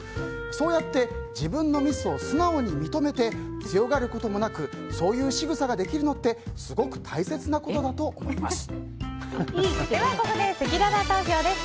そうやって自分のミスを素直に認めて強がることもなくそういうしぐさができるのってでは、ここでせきらら投票です。